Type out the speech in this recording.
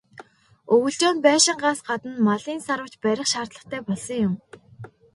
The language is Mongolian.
Өвөлжөөнд байшингаас гадна малын "саравч" барих шаардлагатай болсон юм.